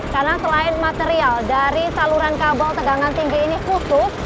karena selain material dari saluran kabel tegangan tinggi ini khusus